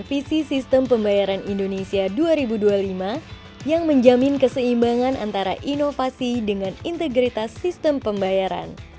revisi sistem pembayaran indonesia dua ribu dua puluh lima yang menjamin keseimbangan antara inovasi dengan integritas sistem pembayaran